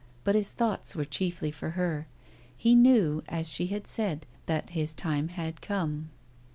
But his thoughts were chiefly for her. He knew, as she had said, that his time had come.